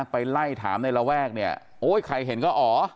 ไปไล่ถามในระแวกเนี่ยโอ้ยใครเห็นก็อ๋อ